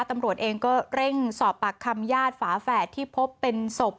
ตำรวจเองก็เร่งสอบปากคำญาติฝาแฝดที่พบเป็นศพ